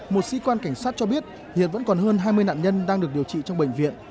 một sĩ quan cảnh sát cho biết hiện vẫn còn hơn hai mươi nạn nhân đang được điều trị trong bệnh viện